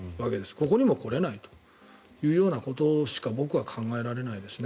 ここにも来れないということしか僕は考えられないですね。